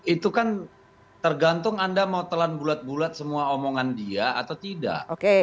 itu kan tergantung anda mau telan bulat bulat semua omongan dia atau tidak